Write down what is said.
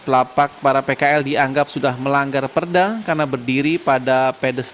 lapak para pkl dianggap sudah melanggar perda karena berdiri pada pedes